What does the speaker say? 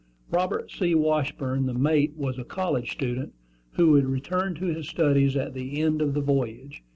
Robert C. Washburn, the mate, was a college student, who would return to his studies at the end of the voyage.